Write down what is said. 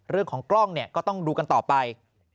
เรื่องของกล้องเนี่ยก็ต้องดูกันต่อไป